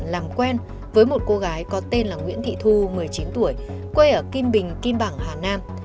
làm quen với một cô gái có tên là nguyễn thị thu một mươi chín tuổi quê ở kim bình kim bằng hà nam